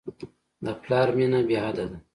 د پلار مینه بېحده ده.